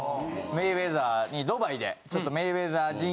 メイウェザーにドバイで。